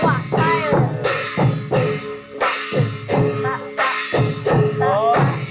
สว่างใจ